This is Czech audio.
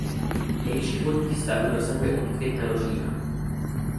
Nejvyšších vodních stavů dosahuje od května do října.